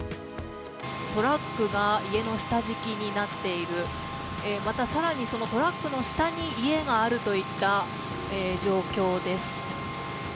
トラックが家の下敷きになっている、また更にそのトラックの下に家があるといった状況です。